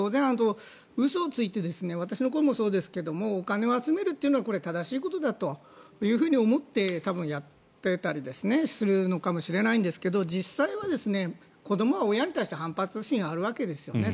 嘘をついて私の頃もそうですけどお金を集めるというのは正しいことだと思って多分、やっていたりするのかもしれないんですけど実際は子どもは親に対して反発心があるわけですね